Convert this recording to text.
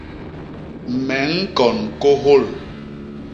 Me ñkon kôhôl.